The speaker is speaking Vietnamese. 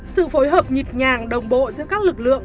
sự phối hợp nhịp nhàng đồng bộ giữa các lực lượng